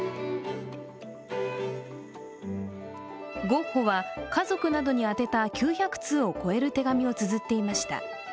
ゴッホは家族などに宛てた９００通を超える手紙をつづっていました。